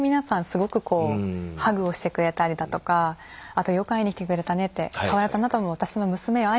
すごくこうハグをしてくれたりだとかあと「よく会いに来てくれたね」って「変わらずあなたも私の娘よ。